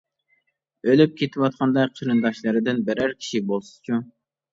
ئۆلۈپ كېتىۋاتقاندا قېرىنداشلىرىدىن بىرەر كىشى بولسىچۇ!